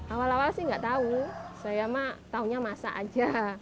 awal awal sih nggak tahu saya mah taunya masa aja